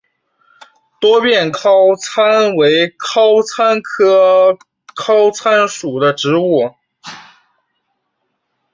多变尻参为尻参科尻参属的动物。